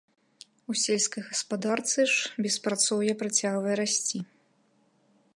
У сельскай гаспадарцы ж беспрацоўе працягвае расці.